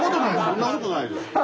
そんなことないです。